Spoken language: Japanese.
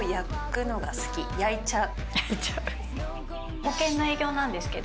焼いちゃう。